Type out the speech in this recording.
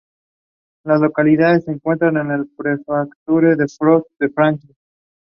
The top provides views of nearby mountains such as Mt.